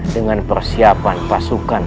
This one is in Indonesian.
dengan persiapan pasukan